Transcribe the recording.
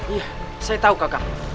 iya saya tahu kakak